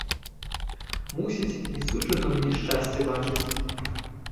Мусіць, не суджана мне шчасце бачыць.